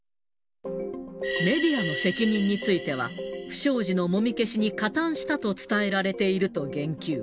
メディアの責任については、不祥事のもみ消しに加担したと伝えられていると言及。